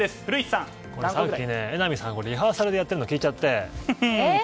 さっき、榎並さんがリハーサルでやってるのを聞いちゃって。